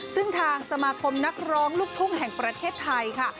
ซึ่งทางสมาคมนักร้องลูกทุ่งแห่งประเทศไทยค่ะ